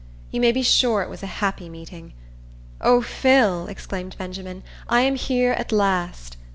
You may be sure it was a happy meeting. "O Phil," exclaimed Benjamin, "I am here at last."